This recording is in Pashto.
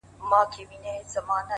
مينه مني ميني څه انكار نه كوي ـ